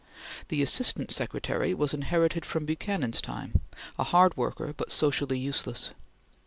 The Assistant Secretary was inherited from Buchanan's time, a hard worker, but socially useless.